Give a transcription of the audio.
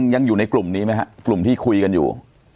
ยังอยู่ในกลุ่มนี้ไหมครับกลุ่มที่คุยกันอยู่